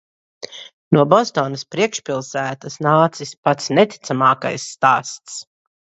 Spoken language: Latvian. No Bostonas priekšpilsētas nācis pats neticamākais stāsts.